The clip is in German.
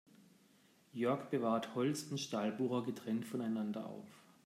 Jörg bewahrt Holz- und Stahlbohrer getrennt voneinander auf.